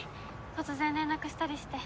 突然連絡したりして。